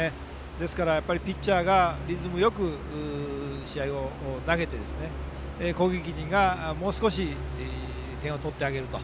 ですからピッチャーがリズムよく試合を投げて、攻撃陣がもう少し点を取ってあげると。